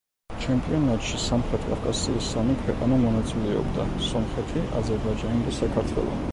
ჩემპიონატში სამხრეთ კავკასიის სამი ქვეყანა მონაწილეობდა: სომხეთი, აზერბაიჯანი და საქართველო.